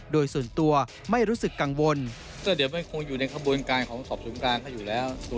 โดยส่วนตัวไม่รู้สึกกังวล